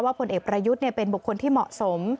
ผลเอกประยุทธ์เป็นบุคคลที่เหมาะสม